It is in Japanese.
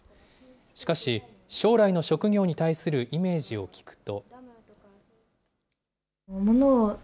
しかし、将来の職業に対するイメージを聞くと。